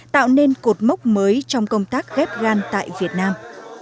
tạo nên cột mốc mới trong công tác ghép gan tại việt nam